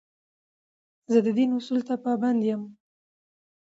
زه د دین اصولو ته پابند یم.